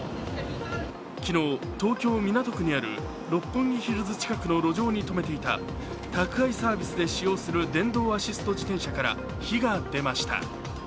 昨日、東京・港区にある六本木ヒルズ近くの路上に止めていた宅配サービスで使用する電動アシスト自転車から火が出ました。